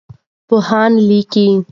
پوهان لیکي.